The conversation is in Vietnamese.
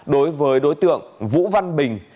đối với đối tượng vũ văn bình